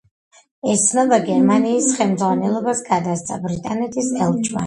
ეს ცნობა გერმანიის ხელმძღვანელობას გადასცა ბრიტანეთის ელჩმა.